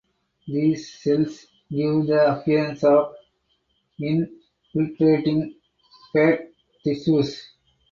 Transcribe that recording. These cells give the appearance of infiltrating fat tissues.